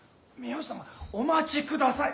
お待ちください